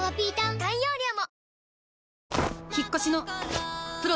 大容量も！